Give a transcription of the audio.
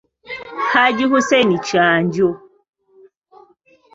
Hajji Hussein Kyanjo.